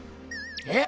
えっ？